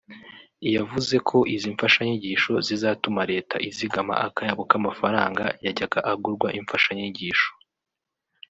yavuze ko izi mfashanyigisho zizatuma Leta izigama akayabo k’amafaranga yajyaga agurwa imfashanyigisho